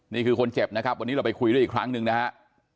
นี่คือคนเจ็บนะครับวันนี้เราไปคุยด้วยอีกครั้งหนึ่งนะฮะ